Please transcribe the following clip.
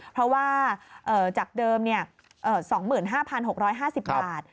เพราะว่าจากเดิม๒๕๖๕๐บาท